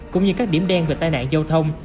cũng như các điểm đen về tai nạn giao thông